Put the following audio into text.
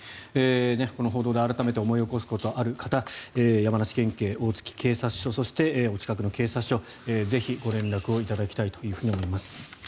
この報道で思い起こすことのある方山梨県警大月警察署そして、お近くの警察署に、ぜひご連絡いただきたいと思います。